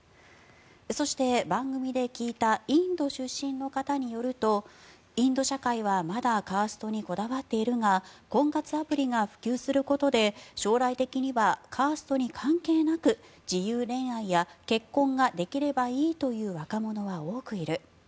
そして、番組で聞いたインド出身の方によるとインド社会はまだカーストにこだわっているが婚活アプリが普及することで将来的には、カーストに関係なく自由恋愛や結婚ができればいいという若者は多くいる。